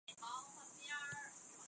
首府的里雅斯特。